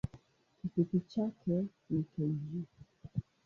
Kifupi chake ni kg.